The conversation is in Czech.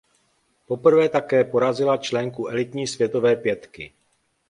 Poprvé také porazila členku elitní světové pětky.